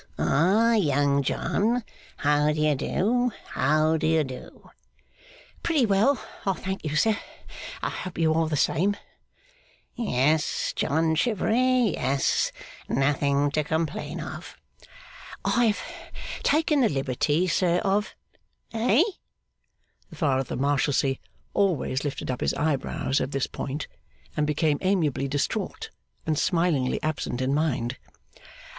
'Ah, Young John! How do you do, how do you do!' 'Pretty well, I thank you, sir. I hope you are the same.' 'Yes, John Chivery; yes. Nothing to complain of.' 'I have taken the liberty, sir, of ' 'Eh?' The Father of the Marshalsea always lifted up his eyebrows at this point, and became amiably distraught and smilingly absent in mind.